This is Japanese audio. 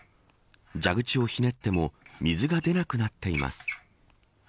蛇口をひねっても水が出なくなっています。